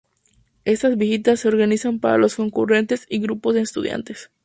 Estas visitas se organizan para los concurrentes y grupos de estudiantes.